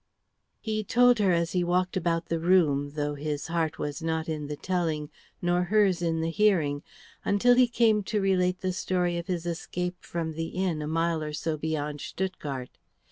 He told her as he walked about the room, though his heart was not in the telling, nor hers in the hearing, until he came to relate the story of his escape from the inn a mile or so beyond Stuttgart.